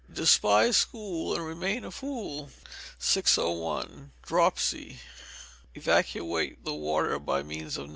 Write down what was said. [DESPISE SCHOOL AND REMAIN A FOOL.] 601. Dropsy. Evacuate the water by means of No.